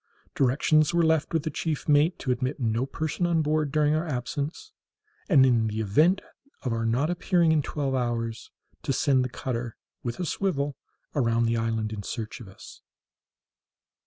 Directions were left with the chief mate to admit no person on board during our absence, and, in the event of our not appearing in twelve hours, to send the cutter, with a swivel, around the island in search of us.